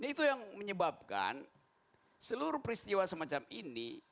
itu yang menyebabkan seluruh peristiwa semacam ini